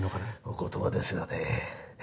お言葉ですがね